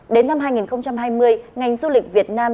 đến năm hai nghìn hai mươi ngành du lịch việt nam